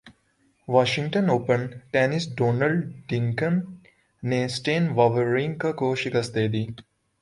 Washington Open ٹینسڈونلڈینگ نے Stan Wawrinka کو شکست دیدی